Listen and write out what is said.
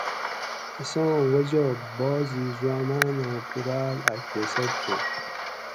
اساں وجہ بعضی حٔواناۤناۤں پُوراۤل اۤ کیسٹ تھو